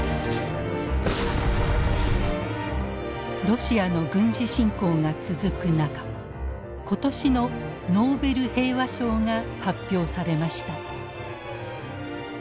ロシアの軍事侵攻が続く中今年のノーベル平和賞が発表されました。